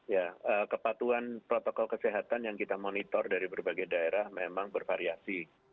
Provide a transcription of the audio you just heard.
ya kepatuhan protokol kesehatan yang kita monitor dari berbagai daerah memang bervariasi